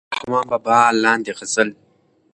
د رحمان بابا لاندې غزل